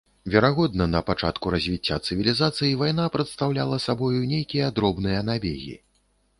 Верагодна, на пачатку развіцця цывілізацый вайна прадстаўляла сабою нейкія дробныя набегі.